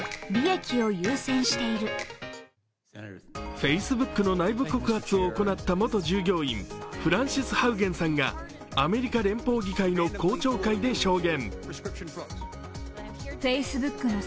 フェイスブックの内部告発を行った元従業員フランシス・ハウゲンさんがアメリカ連邦議会の公聴会で証言。